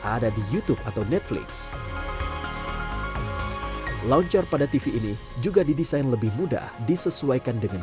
ada di youtube atau netflix launcher pada tv ini juga didesain lebih mudah disesuaikan dengan